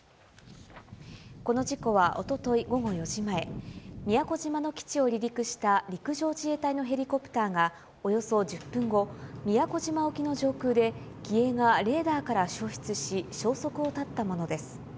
この事故はおととい午後４時前、宮古島の基地を離陸した陸上自衛隊のヘリコプターが、およそ１０分後、宮古島沖の上空で機影がレーダーから消失し、消息を絶ったものです。